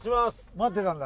待ってたんだ